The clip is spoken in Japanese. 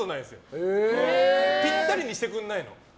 ぴったりにしてくれないの。